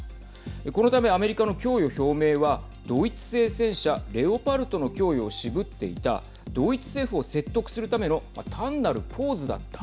このためアメリカの供与表明はドイツ製戦車レオパルトの供与を渋っていたドイツ政府を説得するための単なるポーズだった。